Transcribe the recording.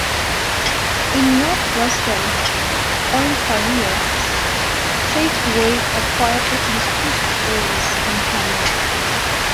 In northwestern Ontario, Safeway acquired at least two stores in Thunder Bay.